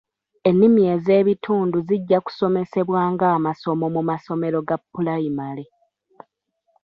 Ennimi ez'ebitundu zijja kusomesebwa nga amasomo mu masomero ga pulayimale.